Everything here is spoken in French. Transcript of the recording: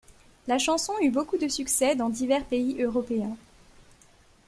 La chanson eut beaucoup de succès dans divers pays européens.